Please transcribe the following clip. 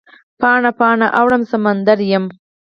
پاڼه، پاڼه اوړم سمندریمه